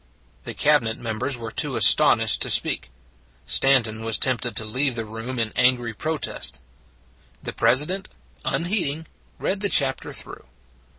The Cabinet members were too aston ished to speak: Stanton was tempted to leave the room in angry protest. The President, unheeding, read the chap ter through.